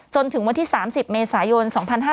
จนถึงวันที่๓๐เมษายน๒๕๕๙